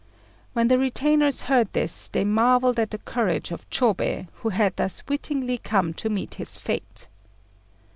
When the retainers heard this, they marvelled at the courage of Chôbei, who had thus wittingly come to meet his fate.